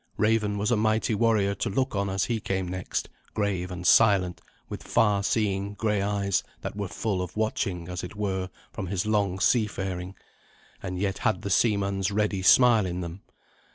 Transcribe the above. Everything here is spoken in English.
Raven was a mighty warrior to look on as he came next, grave and silent, with far seeing grey eyes that were full of watching, as it were, from his long seafaring, and yet had the seaman's ready smile in them.